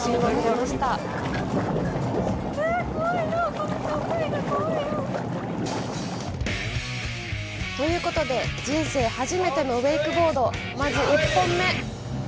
この状態が怖いよ！ということで、人生初めてのウェイクボード、まず１本目！